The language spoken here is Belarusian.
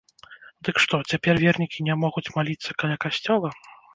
Дык што, цяпер вернікі не могуць маліцца каля касцёла?